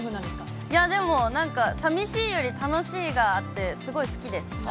でも、なんかさみしいより楽しいがあって、すごい好きです。